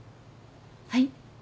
はい？